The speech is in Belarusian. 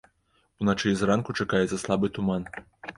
Уначы і зранку чакаецца слабы туман.